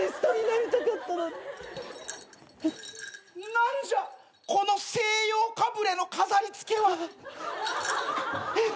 何じゃこの西洋かぶれの飾り付けは？えっ？